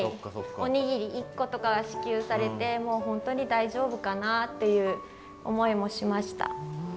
おにぎり１個とか支給されて本当に大丈夫かなっていう思いもしました。